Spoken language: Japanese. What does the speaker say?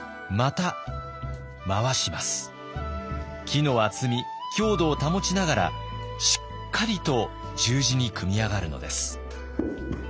木の厚み強度を保ちながらしっかりと十字に組み上がるのです。